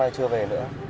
năm nay chưa về nữa